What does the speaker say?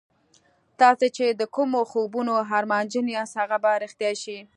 تاسې چې د کومو خوبونو ارمانجن یاست هغه به رښتیا شي